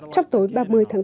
trong tối ba mươi tháng tám